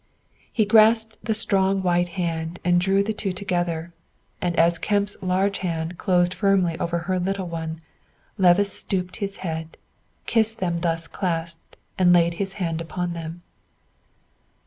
He grasped the strong white hand and drew the two together; and as Kemp's large hand closed firmly over her little one, Levice stooped his head, kissed them thus clasped, and laid his hand upon them.